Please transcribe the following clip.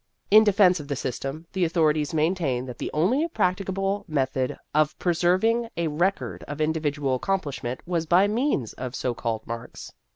In defense of the system, the authorities maintained that the only practicable method of preserving a record of individual accomplishment was by means of so called marks.